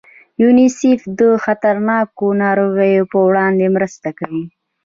یونیسف د خطرناکو ناروغیو په وړاندې مرسته کوي.